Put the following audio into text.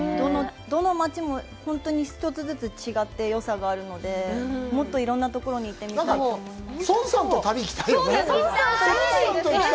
どの街も本当に１つずつ違ってよさがあるので、もっといろんなところに行ってみたいと思いました。